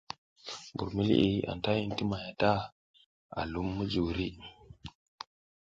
Mbur mi liʼi anta hin ti may ta, a lum mujuri.